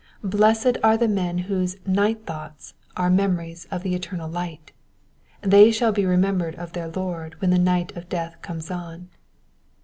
Blessed are the men whose '* night thoughts " are memories of the eternal light ; they shall be remembered of their Lord when the night of death comes on.